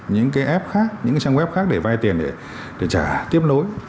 những cái app khác những cái trang web khác để vay tiền để trả tiếp nối